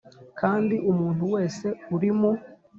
kandi umuntu wese uri mu